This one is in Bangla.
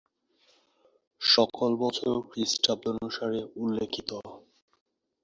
সকল বছর খ্রিস্টাব্দ অনুসারে উল্লেখিত।